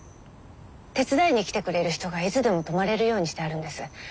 手伝いに来てくれる人がいつでも泊まれるようにしてあるんです。